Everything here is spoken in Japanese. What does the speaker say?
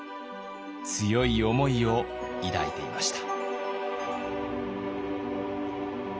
強い思いを抱いていました。